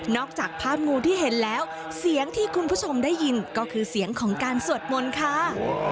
จากภาพงูที่เห็นแล้วเสียงที่คุณผู้ชมได้ยินก็คือเสียงของการสวดมนต์ค่ะ